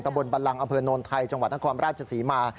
ตะบนบรรลังอำเภอโนนไทยจังหวัดอังคอมราชศรีมา